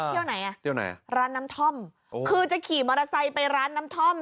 เที่ยวไหนอ่ะเที่ยวไหนอ่ะร้านน้ำท่อมคือจะขี่มอเตอร์ไซค์ไปร้านน้ำท่อม